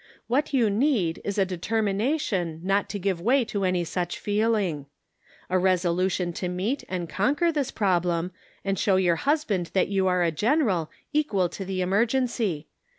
What you need is a determination not to give way to any such feeling. A resolution to meet and conquer this problem, and show your hus band that you are a general — equal to the emergency.